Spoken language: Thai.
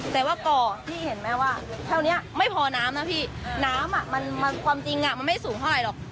แต่ว่าก่อพี่เห็นไหมว่าเท่านี้ไม่พอน้ำนะพี่น้ำความจริงมันไม่สูงเท่าไหร่หรอก